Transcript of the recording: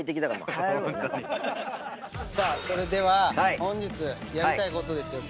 さあそれでは本日やりたいことですよ健が。